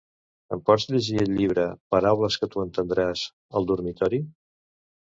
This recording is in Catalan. Em pots llegir el llibre "Paraules que tu entendràs" al dormitori?